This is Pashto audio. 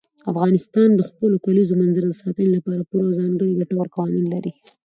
افغانستان د خپلو کلیزو منظره د ساتنې لپاره پوره او ځانګړي ګټور قوانین لري.